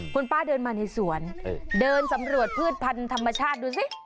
คุณป้าเดินมาในสวนเดินสำรวจพืชพันธุ์ธรรมชาติดูสิ